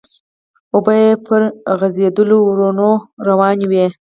اوبه يې پر غزيدلو ورنو روانې وې.